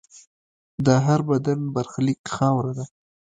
د هر بدن برخلیک خاوره ده.